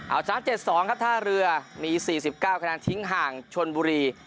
เอาชนะ๗๒ครับท่าเรือมี๔๙คะแนนทิ้งห่างชนบุรี